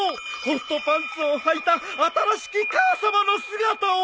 ホットパンツをはいた新しき母さまの姿を！